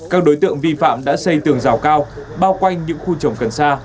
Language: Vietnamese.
các đối tượng vi phạm đã xây tường rào cao bao quanh những khu trồng cần xa